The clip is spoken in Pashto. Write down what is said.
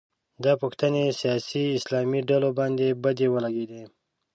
دا پوښتنې سیاسي اسلام ډلو باندې بدې ولګېدې